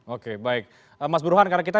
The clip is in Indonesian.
oke baik mas burhan karena kita